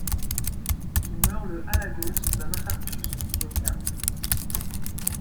Il meurt le à Lagos d'un infarctus du myocarde.